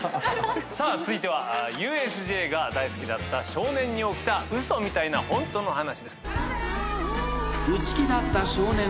さあ続いてはＵＳＪが大好きだった少年に起きた嘘みたいなホントの話です。